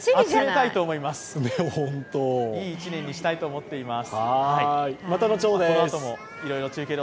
いい１年にしたいと思っています。